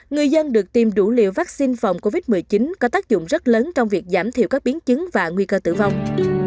người dân được tiêm đủ liều vaccine phòng covid một mươi chín có tác dụng rất lớn trong việc giảm thiểu các biến chứng và nguy cơ tử vong